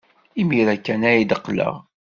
Imir-a kan ad d-qqleɣ.